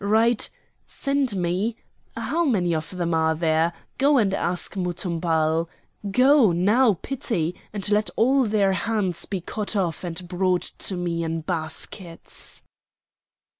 Write: Send me—How many of them are there? go and ask Muthumbal! Go! no pity! and let all their hands be cut off and brought to me in baskets!"